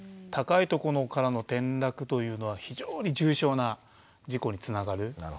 高い所からの転落というのは非常に重傷な事故につながる。